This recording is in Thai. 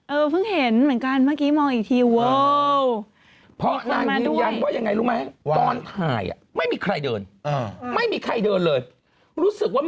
เพิ่งเห็นเหมือนกันเมื่อกี้มองอีกทีเวอร์